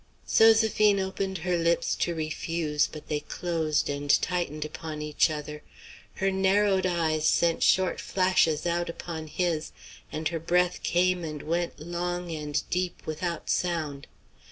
Zoséphine opened her lips to refuse; but they closed and tightened upon each other, her narrowed eyes sent short flashes out upon his, and her breath came and went long and deep without sound.